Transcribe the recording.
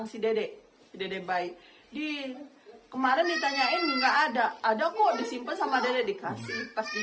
si dedek dedek baik di kemarin ditanyain nggak ada ada kok disimpan sama dedek dikasih pasti